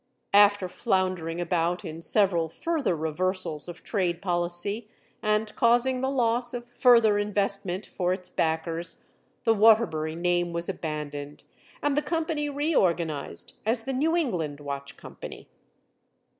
After floundering about in several further reversals of trade policy and causing the loss of further investment for its backers, the Waterbury name was abandoned and the company reorganized as the New England Watch Company.